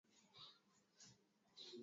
ya joto na ya mvua ya bonde la Amazon